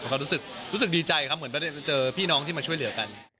เพราะรู้สึกดีใจเหมือนเราได้เจอพี่น้องที่มาช่วยเหลือกัน